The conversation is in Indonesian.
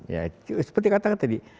ya seperti katakan tadi